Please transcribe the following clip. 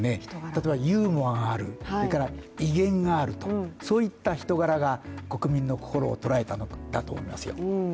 例えばユーモアがある、それから威厳があるとそういった人柄が国民の心を捉えたのだと思いますよ。